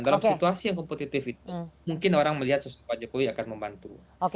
dalam situasi yang kompetitif itu mungkin orang melihat sosok pak jokowi akan membantu